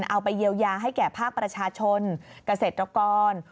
เอาไปเยียวยาให้แก่ภาคประชาชนเกษตรกร